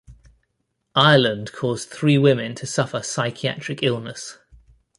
Ireland caused three women to suffer psychiatric illness.